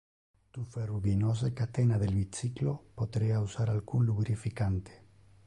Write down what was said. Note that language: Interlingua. Tu ferruginose catena del bicyclo poterea usar alcun lubrificante.